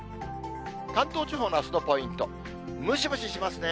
関東地方のあすのポイント、ムシムシしますね。